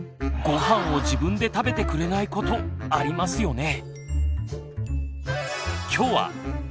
ごはんを自分で食べてくれないことありますよね。